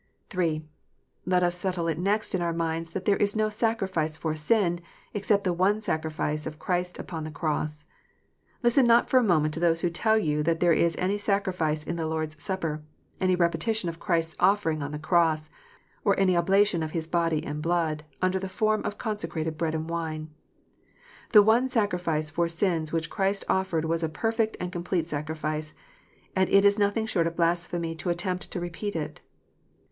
(3) Let us settle it next in our minds that there is no sacri fice for sin except the one sacrifice of Christ upon the cross. Listen not for a moment to those who tell you that there is any sacrifice in the Lord s Supper, any repetition of Christ s offering on the cross, or any oblation of His body and blood, under the form of consecrated bread and wine. The one sacri fice for sins which Christ offered was a perfect and complete sacrifice, and it is nothing short of blasphemy to attempt to repeat it.